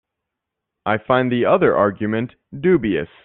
I find the other argument dubious.